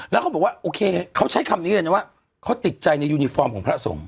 แล้วเขาบอกว่าโอเคเขาใช้คำนี้เลยนะว่าเขาติดใจในยูนิฟอร์มของพระสงฆ